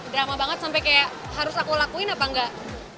drama banget sampai kayak harus aku lakuin apa enggak